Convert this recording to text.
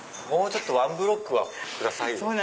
ワンブロックは下さいよ。